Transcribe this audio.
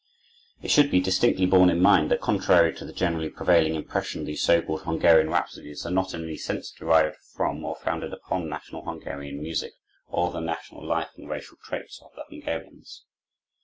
It should be distinctly borne in mind that, contrary to the generally prevailing impression, these so called Hungarian Rhapsodies are not in any sense derived from or founded upon national Hungarian music, or the national life and racial traits of the Hungarians.